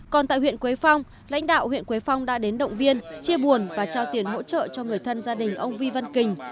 còn tại huyện quế phong lãnh đạo huyện quế phong đã đến động viên chia buồn và trao tiền hỗ trợ cho người thân gia đình ông vi văn kình